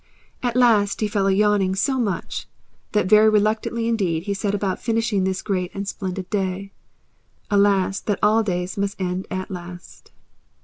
At last he fell a yawning so much that very reluctantly indeed he set about finishing this great and splendid day. (Alas! that all days must end at last!